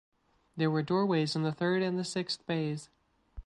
There were doorways in the third and the sixth bays.